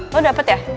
lo dapet ya